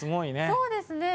そうですね。